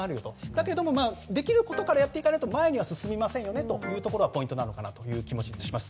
だけどできるところからやっていかないと前には進みませんよねというところはポイントだと思います。